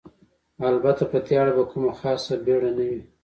البته په دې اړه به کومه خاصه بېړه نه وي.